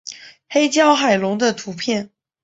黑胶海龙的图片